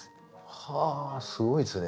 はあすごいですね。